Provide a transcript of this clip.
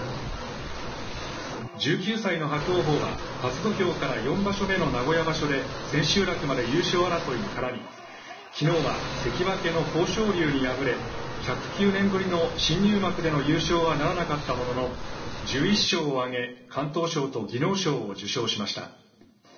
１９歳の伯桜鵬は初土俵から４場所目の名古屋場所で千秋楽まで優勝争いに絡みきのうは関脇の豊昇龍に敗れ１０９年ぶりの新入幕での優勝はならなかったものの１１勝を挙げ敢闘賞と技能賞を受賞しました。